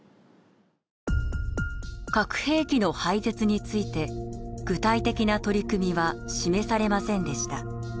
核兵器の廃絶について具体的な取り組みは示されませんでした。